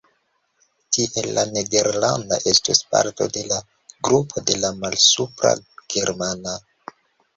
Tiel la nederlanda estus parto de la grupo de la malsupra germana.